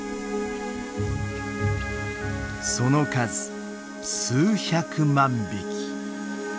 その数数百万匹。